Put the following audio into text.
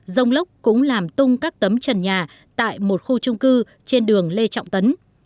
rông lốc cũng làm tung các tấm trần nhà tại một khu trung cư trên đường lê trọng tấn